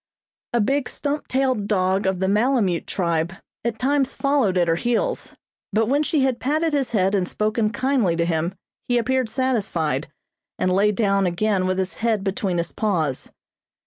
A big stump tailed dog of the Malemute tribe at times followed at her heels, but when she had patted his head and spoken kindly to him he appeared satisfied, and lay down again with his head between his paws.